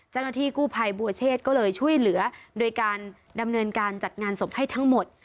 เจ้าหน้าที่กู้ภัยบัวเชษก็เลยช่วยเหลือโดยการดำเนินการจัดงานศพให้ทั้งหมด